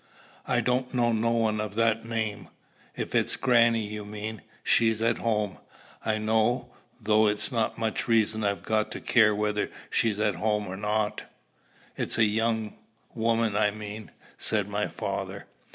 "I don't know no one o' that name. If it's grannie you mean, she's at home, I know though it's not much reason I've got to care whether she's at home or not." "It's a young woman, I mean," said my father.